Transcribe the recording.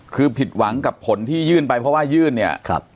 คือผิดหวังกับผลที่ยื่นไปเพราะว่ายื่นเนี่ย